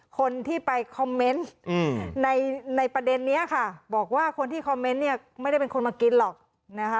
คนที่ไปคอมเมนต์ในในประเด็นนี้ค่ะบอกว่าคนที่คอมเมนต์เนี่ยไม่ได้เป็นคนมากินหรอกนะคะ